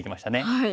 はい。